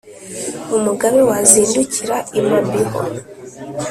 umugabe wazindukira i mabiho